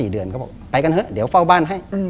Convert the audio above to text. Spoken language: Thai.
เดือนเขาบอกไปกันเถอะเดี๋ยวเฝ้าบ้านให้